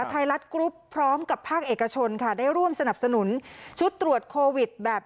ไทยรัฐกรุ๊ปพร้อมกับภาคเอกชนค่ะได้ร่วมสนับสนุนชุดตรวจโควิดแบบ